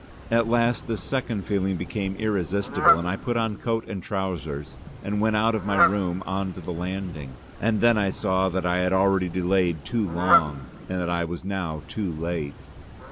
At last this second feeling became irresistible, and I put on coat and trousers and went out of my room on to the landing. And then I saw that I had already delayed too long, and that I was now too late.